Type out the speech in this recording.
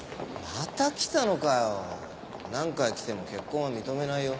また来たのかよ何回来ても結婚は認めないよ。